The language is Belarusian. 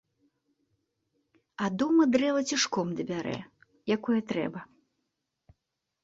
А дома дрэва цішком дабярэ, якое трэба.